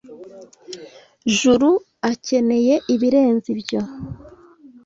Juru akeneye ibirenze ibyo.